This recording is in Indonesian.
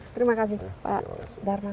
terima kasih pak darman